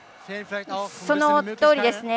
そのとおりです。